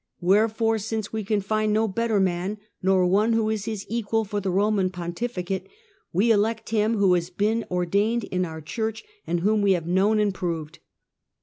Wherefore, since we can find no better man, nor one who is his equal for the Eoman pontificate, we elect him who has been ordained in our Church, and whom we have known and proved."